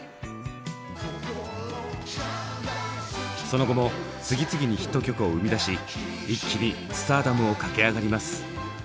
その後も次々にヒット曲を生み出し一気にスターダムを駆け上がります。